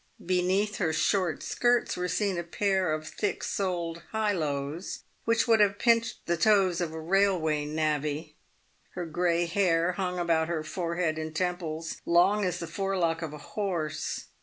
Beneath her short skirts were seen a pair of thick soled highlows which would have pinched the toes of a railway navvy. Her grey hair hung about her forehead and temples long as the forelock of a horse.